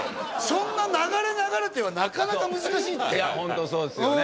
そんな流れ流れてはなかなか難しいっていやホントそうですよね